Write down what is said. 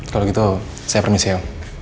kalau gitu saya permisi om